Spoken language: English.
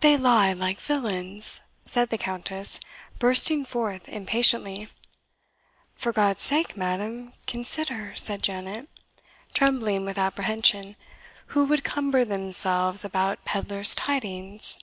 "They lie like villains!" said the Countess, bursting forth impatiently. "For God's sake, madam, consider," said Janet, trembling with apprehension; "who would cumber themselves about pedlar's tidings?"